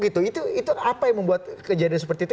itu apa yang membuat kejadian seperti itu